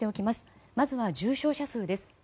まずは重症者数です。